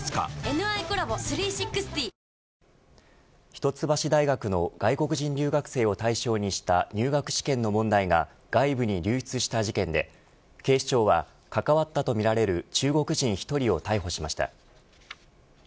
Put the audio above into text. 一橋大学の外国人留学生を対象にした入学試験の問題が外部に流出した事件で警視庁は関わったとみられる中国人１人を逮捕しました。